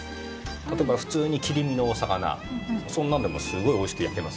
例えば普通に切り身のお魚そんなんでもすごいおいしく焼けますよ。